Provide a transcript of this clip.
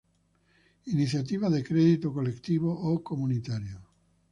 iniciativas de crédito colectivo o comunitario